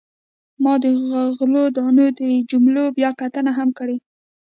ما د غلو دانو د جملو بیاکتنه هم کړې.